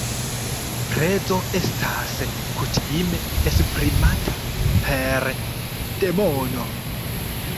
Prezo estas kutime esprimata pere de mono.